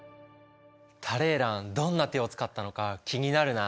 タレーランどんな手を使ったのか気になるな。